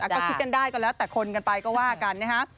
ก็คิดกันได้ก็แล้วแต่คนกันไปก็ว่ากันนะฮะ